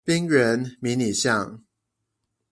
冰原迷你象